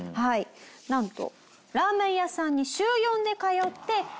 なんと。